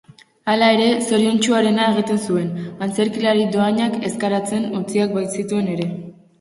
Hala ere, zoriontsuarena egiten zuen, antzerkilari dohainak ezkaratzean utziak bazituen ere.